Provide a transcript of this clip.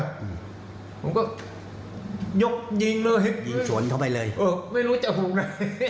ผมก็ยกยิงเลยยิงสวนเข้าไปเลยเออไม่รู้จะถูกไง